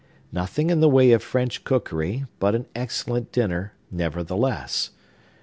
Nothing in the way of French cookery, but an excellent dinner, nevertheless.